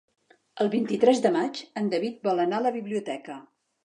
El vint-i-tres de maig en David vol anar a la biblioteca.